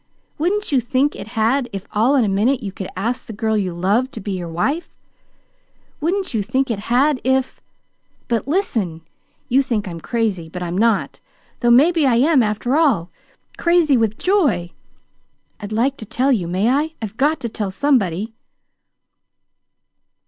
Wouldn't you think it had if all in a minute you could ask the girl you loved to be your wife? Wouldn't you think it had if But, listen! You think I'm crazy, but I'm not. Though maybe I am, after all, crazy with joy. I'd like to tell you. May I? I've got to tell somebody!"